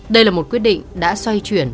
đây là một quyết định đã xoay chuyển